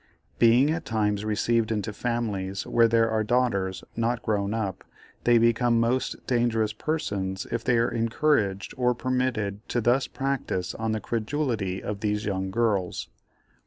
Being at times received into families where there are daughters, not grown up, they become most dangerous persons if they are encouraged or permitted to thus practise on the credulity of these young girls.